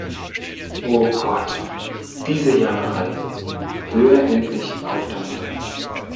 Oh Gott, diese Jammerei. Hör endlich auf damit!